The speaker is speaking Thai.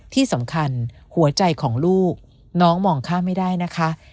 ที่สำคัญหัวใจของลูกน้องมองข้ามไม่ได้นะคะ